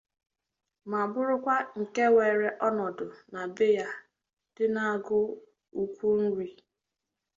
ma bụrụkwa nke were ọnọdụ na be ya dị n'Agụ Ukwu Nri